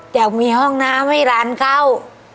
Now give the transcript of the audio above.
อยากมีห้องน้ำให้หลานเข้า